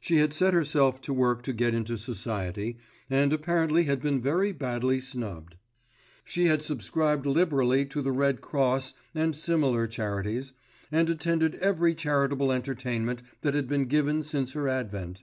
She had set herself to work to get into Society, and apparently had been very badly snubbed. She had subscribed liberally to the Red Cross and similar charities, and attended every charitable entertainment that had been given since her advent.